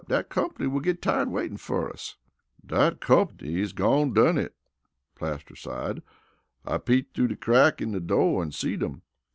Dat comp'ny will git tired waitin' fer us!" "Dat comp'ny is gone done it," Plaster sighed. "I peeped through de crack in de door an' seed 'em.